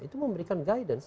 itu memberikan guidance